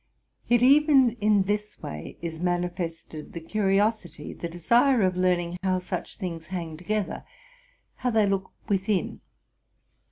Yet even in this way is manifested the curiosity, the desire of learning how such things hang together, how they look within.